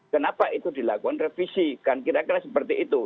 kenapa itu dilakukan revisi kan kira kira seperti itu